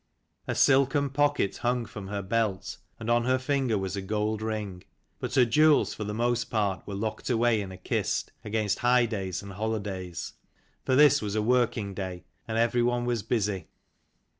A silken pocket hung from her belt, and on her finger was a gold ring ; but her jewels for the most part were locked away in a kist, against high days and holidays. For this was a working day, and every one was busy.